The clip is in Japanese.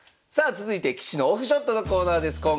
さあ続いて棋士のオフショットのコーナーです。